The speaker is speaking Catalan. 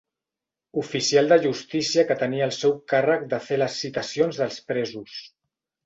Oficial de justícia que tenia al seu càrrec de fer les citacions dels presos.